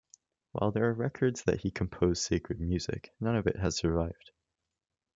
While there are records that he composed sacred music, none of it has survived.